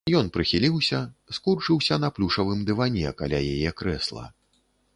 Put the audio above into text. Ён прыхіліўся, скурчыўся на плюшавым дыване, каля яе крэсла.